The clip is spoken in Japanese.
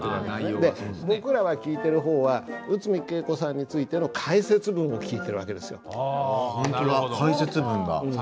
で僕らは聞いてる方は内海桂子さんについての解説文を聞いてる訳ですよ。ああなるほど。